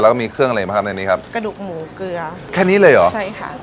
แล้วก็มีเครื่องอะไรบ้างครับในนี้ครับกระดูกหมูเกลือแค่นี้เลยเหรอใช่ค่ะ